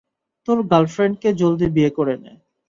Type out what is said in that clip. তোর গার্লফ্রেন্ডকে জলদি বিয়ে করে নে।